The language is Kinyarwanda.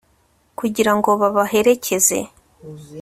kugira ngo babaherekeze